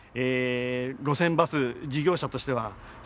路線バス事業者としては失格だと。